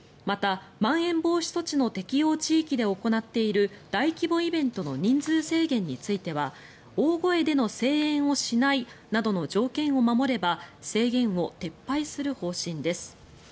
また、まん延防止措置の適用地域で行っている大規模イベントの人数制限については大声での声援をしないなどの条件を守れば制限を撤廃する方針です。